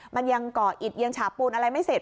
มันยังก่ออิดยังฉาบปูนอะไรไม่เสร็จ